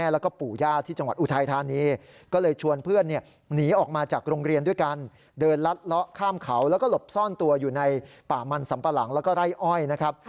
แล้วก็หลบซ่อนตัวอยู่ในป่ามันสำปะหลังแล้วก็ไร่อ้อยนะครับ